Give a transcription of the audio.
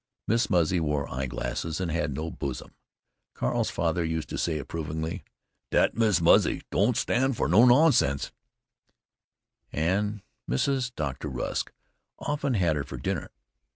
Miss Muzzy wore eye glasses and had no bosom. Carl's father used to say approvingly, "Dat Miss Muzzy don't stand for no nonsense," and Mrs. Dr. Rusk often had her for dinner....